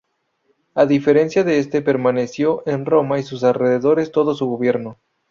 A diferencia de este, permaneció en Roma y sus alrededores todo su gobierno.